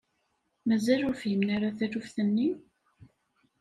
Mazal ur fhimen ara taluft-nni?